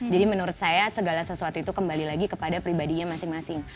jadi menurut saya segala sesuatu itu kembali lagi kepada pribadinya masing masing